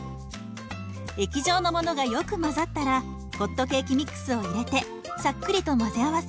液状のものがよく混ざったらホットケーキミックスを入れてさっくりと混ぜ合わせ